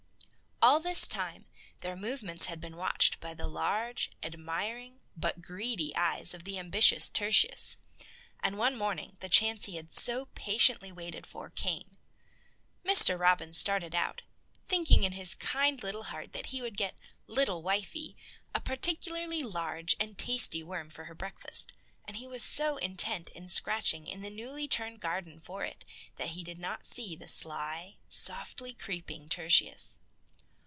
All this time their movements had been watched by the large, admiring, but greedy eyes of the ambitious Tertius, and one morning the chance he had so patiently waited for came. Mr. Robin started out, thinking in his kind little heart that he would get "little wifey" a particularly large and tasty worm for her breakfast, and he was so intent in scratching in the newly turned garden for it that he did not see the slyly, softly creeping Tertius.